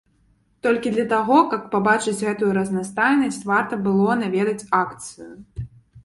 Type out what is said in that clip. Толькі для таго, каб пабачыць гэтую разнастайнасць, варта было наведаць акцыю.